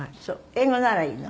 英語ならいいの？